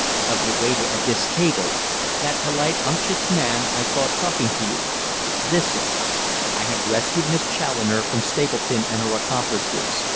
"Of the waiter at this table that polite, unctuous man I saw talking to you. Listen. I have rescued Miss Challoner from Stapleton and her accomplices.